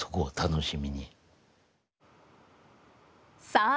さあ